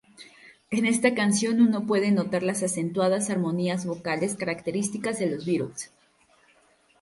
En esta canción uno puede notar las acentuadas armonías vocales características de los Beatles.